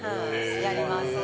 やります。